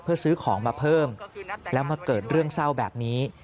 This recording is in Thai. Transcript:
เพื่อซื้อของมาเพิ่มแล้วมาเกิดเรื่องเศร้าแบบนี้